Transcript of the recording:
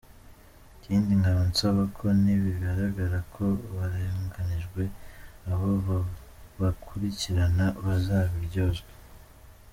ikindi nkaba nsaba ko nibigaragara ko barenganijwe abo babakurikirana bazabiryozwe !!.